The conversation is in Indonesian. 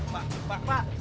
pak pak pak